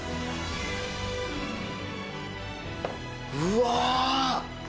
うわ！